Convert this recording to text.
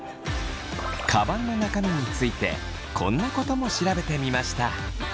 カバンの中身についてこんなことも調べてみました。